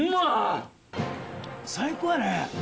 最高やね。